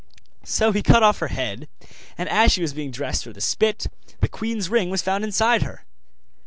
So he cut off her head, and as she was being dressed for the spit, the queen's ring was found inside her.